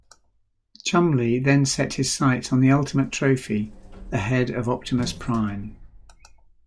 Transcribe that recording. Cholmondeley then set his sights on the ultimate trophy, the head of Optimus Prime.